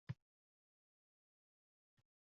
uni o‘z ishlab chiqarishlarida ishlatadi